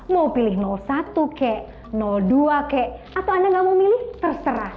mau pilih satu kek dua kek atau anda nggak mau milih terserah